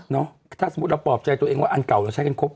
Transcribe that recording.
ถ้าสมมุติเราปลอบใจตัวเองว่าอันเก่าเราใช้กันครบ